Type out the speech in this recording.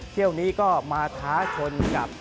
เที่ยวนี้ก็มาท้าชนกับ